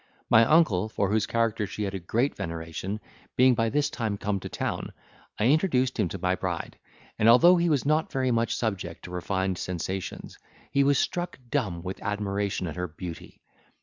My uncle, for whose character she had a great veneration, being by this time come to town, I introduced him to my bride; and, although he was not very much subject to refined sensations, he was struck dumb with admiration at her beauty.